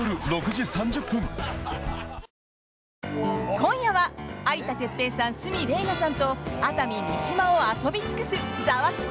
今夜は有田哲平さん、鷲見玲奈さんと熱海、三島を遊び尽くす「ザワつく！